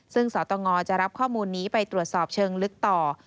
ซึ่งสตงจะรับข้อมูลนี้ไปตรวจสอบเชิงลึกต่อ